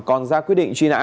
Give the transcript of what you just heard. còn ra quyết định truy nã